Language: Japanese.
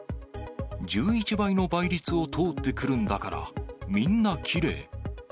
１１倍の倍率を通ってくるんだから、みんなきれい。